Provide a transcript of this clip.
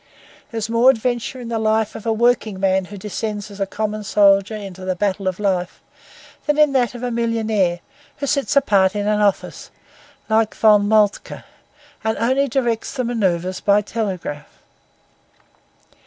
There is more adventure in the life of the working man who descends as a common solder into the battle of life, than in that of the millionaire who sits apart in an office, like Von Moltke, and only directs the manœuvres by telegraph.